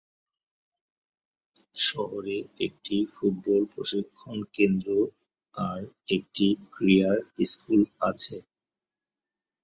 শহরে একটি ফুটবল প্রশিক্ষণ কেন্দ্র আর একটি ক্রীড়ার স্কুল আছে।